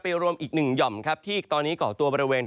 รวมอีกหนึ่งหย่อมครับที่ตอนนี้ก่อตัวบริเวณ